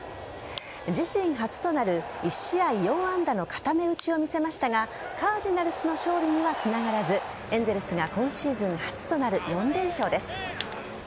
自身初となる１試合４安打の固め打ちを見せましたがカージナルスの勝利にはつながらずエンゼルスが今シーズン初となる４連勝です。